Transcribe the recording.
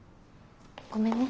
ごめんね。